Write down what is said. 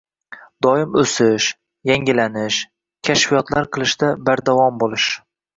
Doimiy o‘sish, yangilanish, kashfiyotlar qilishda bardavom bo‘lish